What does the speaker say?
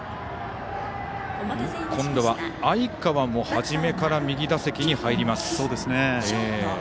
今度は相川も初めから右打席に入ります。